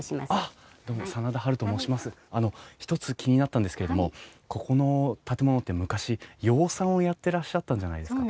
あの１つ気になったんですけれどもここの建物って昔養蚕をやってらっしゃったんじゃないですか？